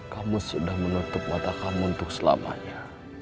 kamu sudah menutup mata kamu untuk selamanya